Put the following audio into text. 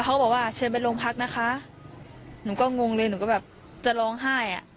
เขาบอกว่าเชิญไปโรงพักนะคะหนูก็งงเลยหนูก็แบบจะร้องไห้อ่ะ